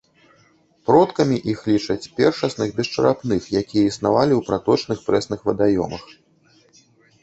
Продкамі іх лічаць першасных бесчарапных, якія існавалі ў праточных прэсных вадаёмах.